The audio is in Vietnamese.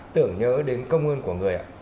tưởng nhớ đến công ơn của người ạ